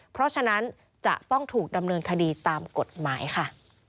เพราะฉะนั้นจะต้องถูกดำเนินคดีตามกฎหมายค่ะ